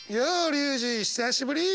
リュウジ久しぶり！